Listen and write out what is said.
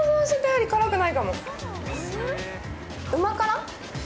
うま辛。